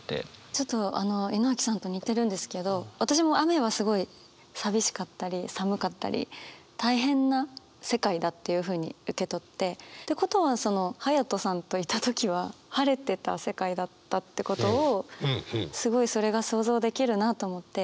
ちょっと井之脇さんと似てるんですけど私も雨はすごい寂しかったり寒かったり大変な世界だっていうふうに受け取って。ってことはそのハヤトさんといた時は晴れてた世界だったってことをすごいそれが想像できるなと思って。